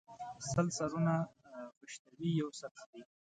سل سرونه خشتوي ، يو سر خريي